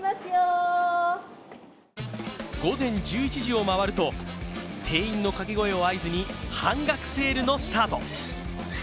午前１１時を回ると、店員のかけ声を合図に半額セールのスタート。